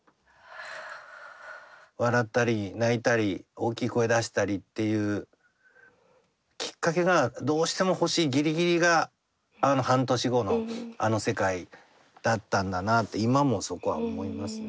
笑ったり泣いたり大きい声出したりっていうきっかけがどうしても欲しいギリギリがあの半年後のあの世界だったんだなって今もそこは思いますね。